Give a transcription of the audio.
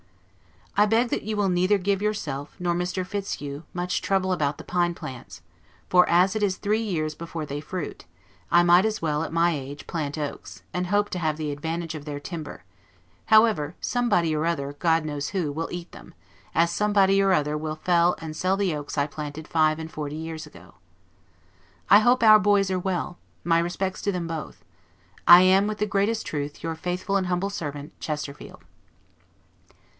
I beg that you will neither give yourself, nor Mr. Fitzhugh, much trouble about the pine plants; for as it is three years before they fruit, I might as well, at my age, plant oaks, and hope to have the advantage of their timber: however, somebody or other, God knows who, will eat them, as somebody or other will fell and sell the oaks I planted five and forty years ago. I hope our boys are well; my respects to them both. I am, with the greatest truth, your faithful and humble servant, CHESTERFIELD.